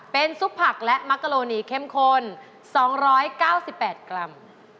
เป็นซุปผักและมักกะโลนีเข้มข้น๒๙๘กรัม